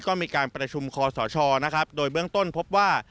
ก็มีการประชุมคศโดยเบื้องต้นพบว่า